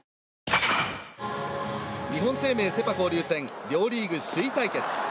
日本生命セ・パ交流戦両リーグ首位対決。